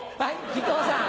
木久扇さん。